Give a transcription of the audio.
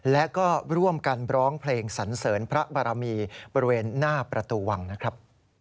และก็ร่วมกันร้องเพลงสันเสริญพระบารมีบริเวณหน้าประตูวังนะครับ